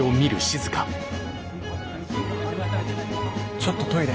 ちょっとトイレ。